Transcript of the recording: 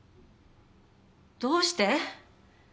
どうして？